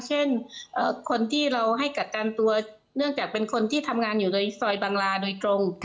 เช่นคนที่เราให้กักกันตัวเนื่องจากเป็นคนที่ทำงานอยู่ในซอยบังลาโดยตรง